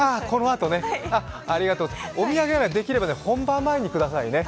ありがとう、お土産はできれば本番前にくださいね。